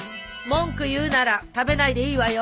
文句言うなら食べないでいいわよ。